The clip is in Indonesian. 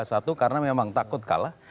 satu karena memang takut kalah